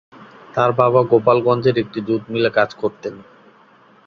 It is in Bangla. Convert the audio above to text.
তার বাবা গোপালগঞ্জের একটি জুট মিলে কাজ করতেন।